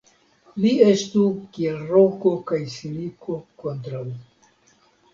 Li estu kiel roko kaj siliko kontraŭ .